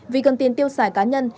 vì cần tiền tiêu xài cá nhân